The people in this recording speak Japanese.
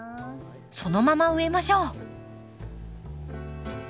そのまま植えましょう。